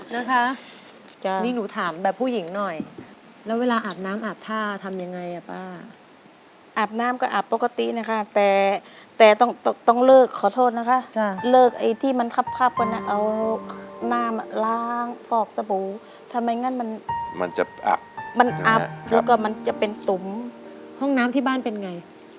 นะคะนี่หนูถามแบบผู้หญิงหน่อยแล้วเวลาอาบน้ำอาบท่าทำยังไงอ่ะป้าอาบน้ำก็อาบปกตินะคะแต่แต่ต้องต้องเลิกขอโทษนะคะเลิกไอ้ที่มันคับกันเอาหน้ามาล้างฟอกสบู่ทำไมงั้นมันมันจะอับมันอับแล้วก็มันจะเป็นตุ๋มห้องน้ำที่บ้านเป็นไง